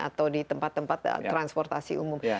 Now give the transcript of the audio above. atau di tempat tempat transportasi umum